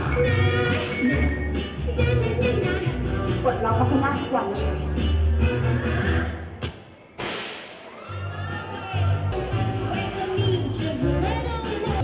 เปิดล็อคมากทุกวันเลย